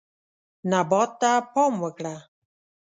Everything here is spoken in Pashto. نبات ته پام وکړه.